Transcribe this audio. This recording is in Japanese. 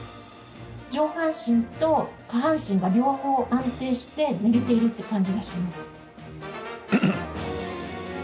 上半身と下半身が両方安定して寝れているって感じがします。